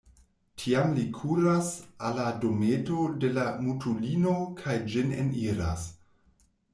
Tiam li kuras al la dometo de la mutulino kaj ĝin eniras.